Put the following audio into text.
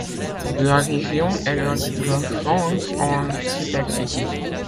La région est la de France en superficie.